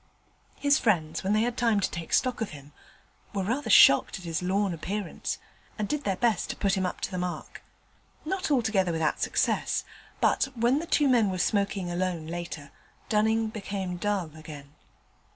His friends, when they had time to take stock of him, were rather shocked at his lorn appearance, and did their best to keep him up to the mark. Not altogether without success: but, when the two men were smoking alone later, Dunning became dull again.